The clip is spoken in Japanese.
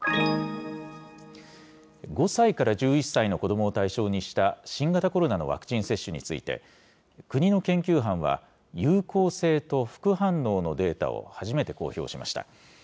５歳から１１歳の子どもを対象にした、新型コロナのワクチン接種について、国の研究班は、有効性と副反応のデータを初めて公表しました。